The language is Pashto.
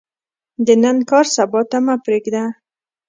د نن کار، سبا ته مه پریږده.